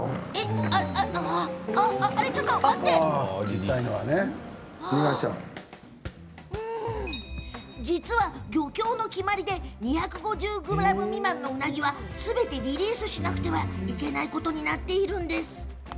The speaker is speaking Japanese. あれ、ちょっと待って実は漁協の決まりで２５０ｇ未満のウナギはすべてリリースしなくてはいけないことになっているんです。